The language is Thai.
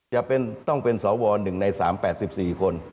จะต้องเป็นสว๑ใน๓๘๔คน